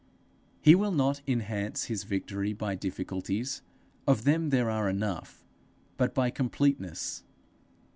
He will not enhance his victory by difficulties of them there are enough but by completeness.